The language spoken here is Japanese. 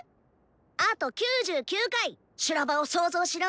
あと９９回修羅場を想像しろ。